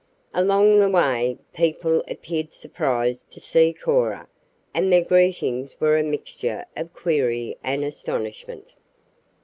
Along the way people appeared surprised to see Cora, and their greetings were a mixture of query and astonishment.